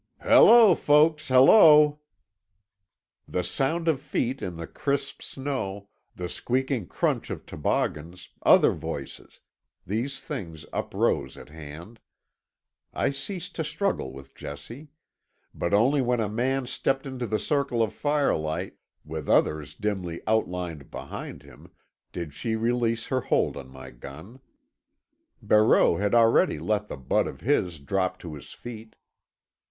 "Hello, folks, hello!" The sound of feet in the crisp snow, the squeaking crunch of toboggans, other voices; these things uprose at hand. I ceased to struggle with Jessie. But only when a man stepped into the circle of firelight, with others dimly outlined behind him, did she release her hold on my gun. Barreau had already let the butt of his drop to his feet.